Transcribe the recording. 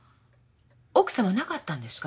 奥さんはなかったんですか？